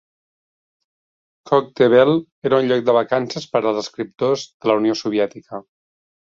Koktebel era un lloc de vacances per als escriptors de la Unió Soviètica.